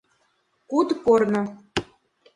Куд корно.